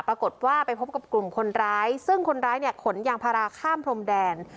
ปรากฏว่าไปพบกับกลุ่มคนร้ายซึ่งคนร้ายเนี่ยขนยางพาราข้ามพรมแดน